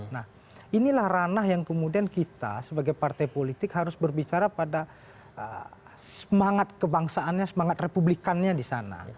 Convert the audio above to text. nah inilah ranah yang kemudian kita sebagai partai politik harus berbicara pada semangat kebangsaannya semangat republikannya di sana